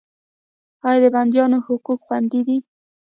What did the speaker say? آیا د بندیانو حقوق خوندي دي؟